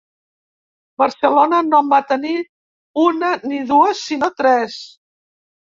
Barcelona no en va tenir una ni dues, sinó tres.